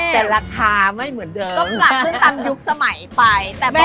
แต่ราคาไม่เหมือนเดิมต้องหลับขึ้นตามยุคสมัยไปแต่บอกอีกนะแม่